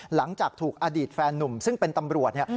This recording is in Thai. หลังจากถูกอดีตแฟนนุ่มซึ่งเป็นตำรวจเนี่ย